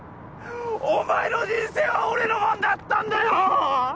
お前の人生は俺のもんだったんだよ！